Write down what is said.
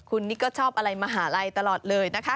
คุณนี่ก็ชอบอะไรมหาลัยตลอดเลยนะคะ